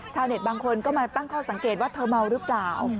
บางคนก็มาตั้งข้อสังเกตว่าเธอเมาหรือเปล่า